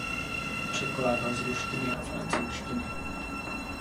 Překládal z ruštiny a francouzštiny.